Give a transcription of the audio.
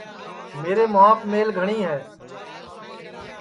میرے مُُوھاپ میل گھٹؔی ہے